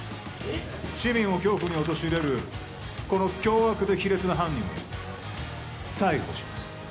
市民を恐怖に陥れる、この凶悪で卑劣な犯人を逮捕します。